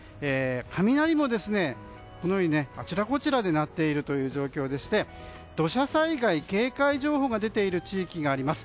雷もあちらこちらで鳴っているという状況でして土砂災害警戒情報が出ている地域があります。